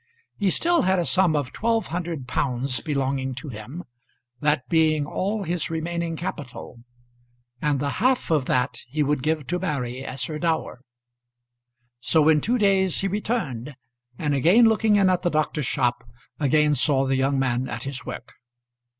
He still had a sum of £1,200 belonging to him, that being all his remaining capital; and the half of that he would give to Mary as her dower. So in two days he returned, and again looking in at the doctor's shop, again saw the young man at his work.